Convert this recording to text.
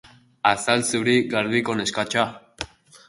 Azal zuri, garbiko neskatxa.